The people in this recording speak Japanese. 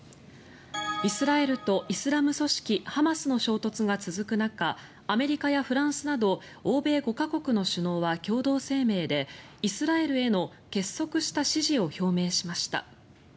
イスラエルとイスラム組織ハマスの衝突が続く中アメリカやフランスなど欧米５か国の首脳は共同声明でイスラエルへの結束した支持を表明しました。